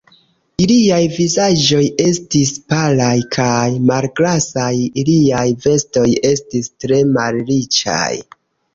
Iliaj vizaĝoj estis palaj kaj malgrasaj, iliaj vestoj estis tre malriĉaj.